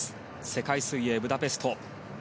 世界水泳ブダペスト。